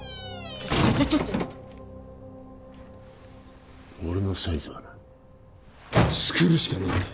ちょっちょっちょっ俺のサイズはな作るしかねえんだよ